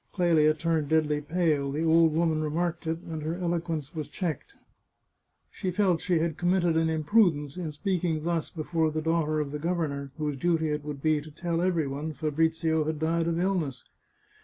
Clelia turned deadly pale; the old woman remarked it, and her eloquence was checked. She felt she had committed an imprudence in speaking thus before the daughter of the governor, whose duty it would be to tell every one Fabrizio had died of illness.